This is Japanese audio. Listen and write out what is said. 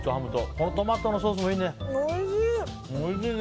このトマトのソースもいいね。